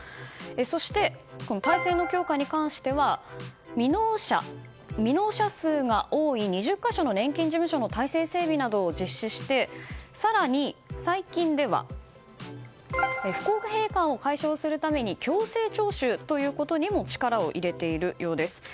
そして、体制の強化に関しては未納者数が多い２０か所の年金事務所の体制整備などを実施して更に、最近では不公平感を解消するために強制徴収ということにも力を入れているようです。